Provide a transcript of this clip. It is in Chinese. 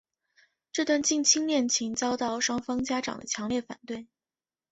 这段近亲恋情遭到双方家长的强烈反对。